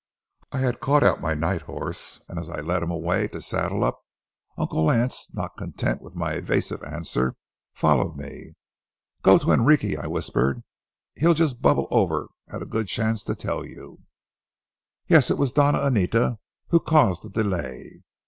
I had caught out my night horse, and as I led him away to saddle up, Uncle Lance, not content with my evasive answer, followed me. "Go to Enrique," I whispered; "he'll just bubble over at a good chance to tell you. Yes; it was the Doña Anita who caused the delay."